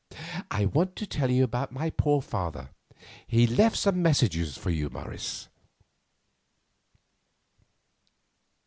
I want to tell you about my poor father; he left some messages for you, Morris."